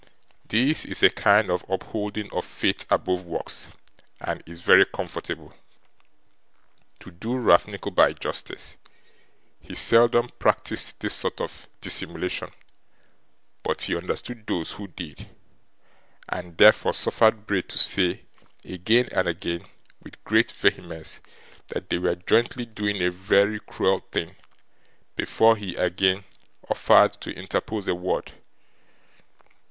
This is a kind of upholding of faith above works, and is very comfortable. To do Ralph Nickleby justice, he seldom practised this sort of dissimulation; but he understood those who did, and therefore suffered Bray to say, again and again, with great vehemence, that they were jointly doing a very cruel thing, before he again offered to interpose a word.